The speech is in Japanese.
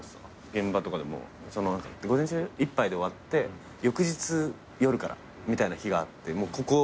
現場とかでも午前中いっぱいで終わって翌日夜からみたいな日があってここキャンプ場から。